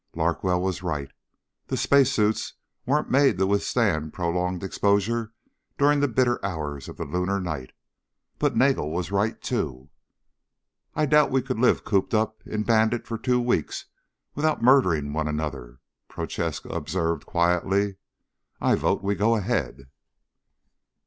Larkwell was right. The space suits weren't made to withstand prolonged exposure during the bitter hours of the lunar night. But Nagel was right, too. "I doubt if we could live cooped up in Bandit for two weeks without murdering one another," Prochaska observed quietly. "I vote we go ahead."